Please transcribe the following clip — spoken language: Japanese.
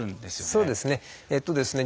そうですね。